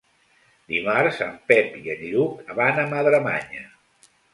Dimarts en Pep i en Lluc van a Madremanya.